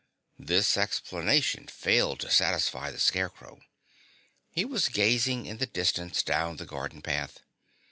This explanation failed to satisfy the Scarecrow. He was gazing in the distance down the garden path.